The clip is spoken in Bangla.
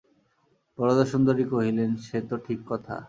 বরদাসুন্দরী কহিলেন, সে তো ঠিক কথা।